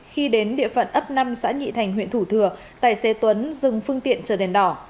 khi đến địa phận ấp năm xã nhị thành huyện thủ thừa tài xế tuấn dừng phương tiện chờ đèn đỏ